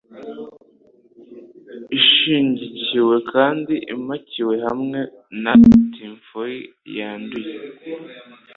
ishyigikiwe kandi ipakiwe hamwe na tinfoil yanduye